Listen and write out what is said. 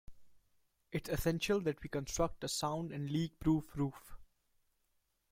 It's essential that we construct a sound and leakproof roof.